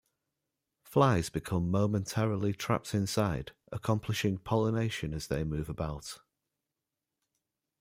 Flies become momentarily trapped inside, accomplishing pollination as they move about.